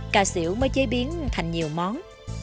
cà xỉu mới chế biến thành nhiều món